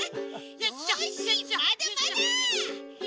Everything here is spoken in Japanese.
よしまだまだ！